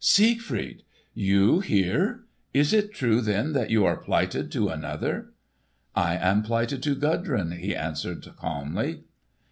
"Siegfried! You here? Is it true then that you are plighted to another?" "I am plighted to Gudrun," he answered calmly.